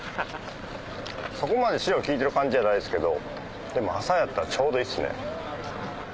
そこまで塩きいてる感じじゃないですけどでも朝やったらちょうどいいっすね。